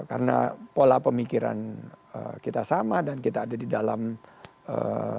karena pola pemikiran kita sama dan kita ada di dalam eee